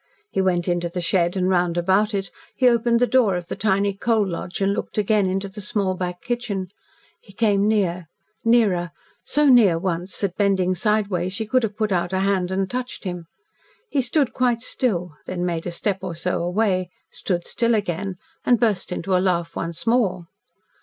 He went into the shed and round about it, he opened the door of the tiny coal lodge, and looked again into the small back kitchen. He came near nearer so near once that, bending sidewise, she could have put out a hand and touched him. He stood quite still, then made a step or so away, stood still again, and burst into a laugh once more.